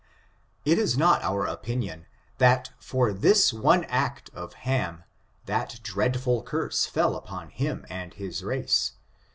It is not our opinion that for this one act of Ham that dreadful curse fell upon him and his race.